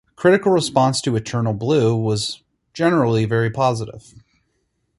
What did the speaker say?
Critical response to "Eternal Blue" was generally very positive.